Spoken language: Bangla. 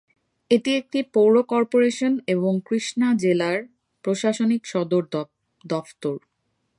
এটি একটি পৌর কর্পোরেশন এবং কৃষ্ণা জেলার প্রশাসনিক সদর দফতর।